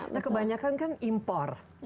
nah kebanyakan kan impor